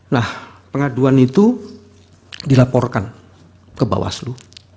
nah pengaduan itu dilaporkan ke bawaslu